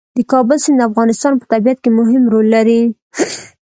د کابل سیند د افغانستان په طبیعت کې مهم رول لري.